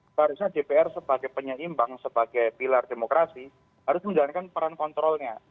seharusnya dpr sebagai penyeimbang sebagai pilar demokrasi harus menjalankan peran kontrolnya